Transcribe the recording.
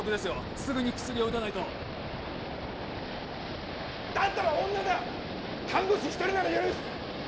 すぐに薬を打たないとだったら女だ看護師１人なら許す